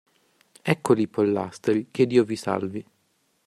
Eccoli i pollastri, che Dio vi salvi.